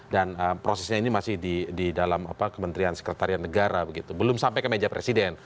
dan prosesnya ini masih di dalam kementerian sekretarian negara belum sampai ke meja presiden